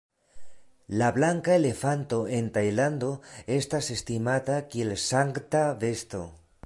La blanka elefanto en Tajlando estas estimata kiel sankta besto.